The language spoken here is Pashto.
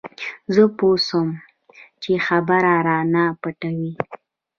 زه پوه سوم چې خبره رانه پټوي.